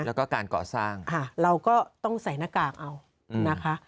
แล้วก็การก่อสร้างเราก็ต้องใส่หน้ากากเอานะคะ